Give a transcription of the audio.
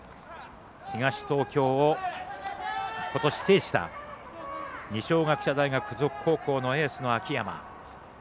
東東京をことし制した二松学舎大付属高校のエースの秋山。